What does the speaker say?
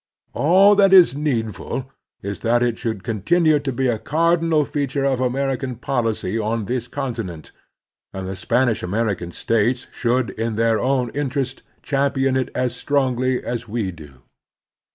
All that is needful is that it should continue to be a cardinal feature of Amer ican policy on this continent; and the Spanish American states should, in their own interest, champion it as strongly as we do.